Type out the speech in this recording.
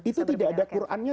itu tidak ada qurannya